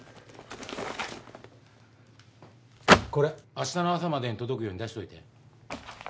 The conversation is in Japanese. これ明日の朝までに届くように出しといて。